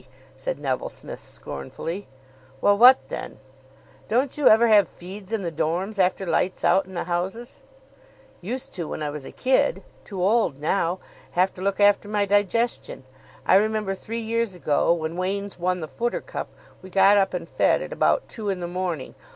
said Neville Smith scornfully. "Well, what then?" "Don't you ever have feeds in the dorms. after lights out in the houses?" "Used to when I was a kid. Too old now. Have to look after my digestion. I remember, three years ago, when Wain's won the footer cup, we got up and fed at about two in the morning.